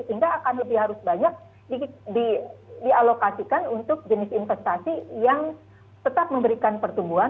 sehingga akan lebih harus banyak dialokasikan untuk jenis investasi yang tetap memberikan pertumbuhan